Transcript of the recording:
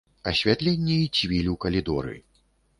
Асвятленне і цвіль у калідоры.